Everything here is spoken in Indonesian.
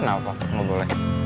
gak apa apa gak boleh